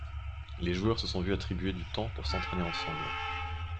Les joueurs se sont vus attribuer du temps pour s'entraîner ensemble.